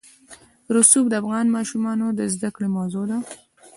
رسوب د افغان ماشومانو د زده کړې موضوع ده.